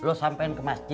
terus sama kaum dua pak